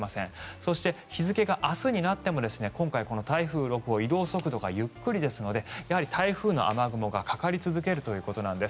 そして日付が明日になっても今回、台風６号移動速度がゆっくりですのでやはり台風の雨雲がかかり続けるということです。